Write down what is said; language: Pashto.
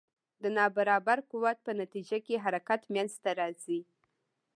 د نا برابر قوت په نتیجه کې حرکت منځته راځي.